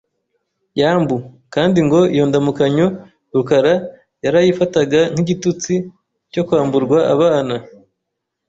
« Yambu» kandi ngo iyo ndamukanyo Rukara yarayifataga nk’igitutsi cyo kwamburwa abana,